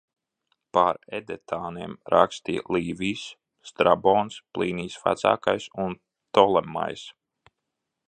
Par edetāniem rakstīja Līvijs, Strabons, Plīnijs Vecākais un Ptolemajs.